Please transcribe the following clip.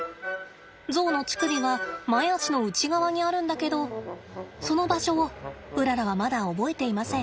ゾウの乳首は前肢の内側にあるんだけどその場所をうららはまだ覚えていません。